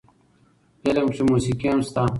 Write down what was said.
فلم کښې موسيقي هم شته